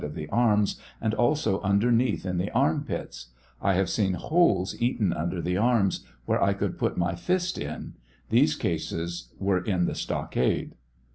of the arms and also underneath in the arm pits. I have seen holes eaten under the arms, where I could put my fist in; these cases were in the stockade.